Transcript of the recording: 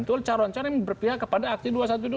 betul calon calon yang berpihak kepada aksi dua ratus dua belas